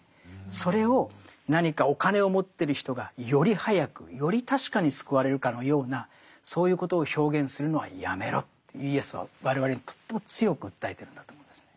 それを何かお金を持ってる人がより早くより確かに救われるかのようなそういうことを表現するのはやめろってイエスは我々にとっても強く訴えてるんだと思うんですね。